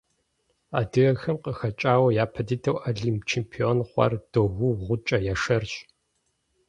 Адыгэхэм къахэкӀауэ япэ дыдэу Олимп чемпион хъуар Догу-ГъукӀэ Яшарщ.